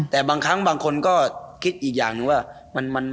แต่บางครั้งบางคนก็คิดอีกอย่างหนึ่งว่า